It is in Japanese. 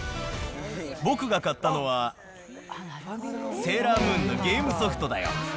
僕が買ったのは、セーラームーンのゲームソフトだよ。